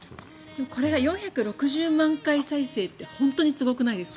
これが４６０万回再生ってすごくないですか？